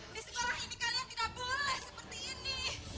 di sekolah ini kalian tidak boleh seperti ini